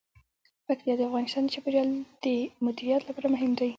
پکتیا د افغانستان د چاپیریال د مدیریت لپاره مهم دي.